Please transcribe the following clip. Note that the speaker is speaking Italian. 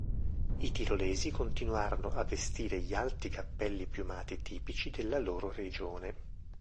I tirolesi continuarono a vestire gli alti cappelli piumati tipici della loro regione.